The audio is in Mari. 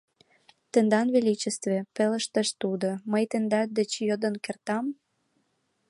— Тендан величестве, — пелештыш тудо, — мый тендан деч йодын кертам?..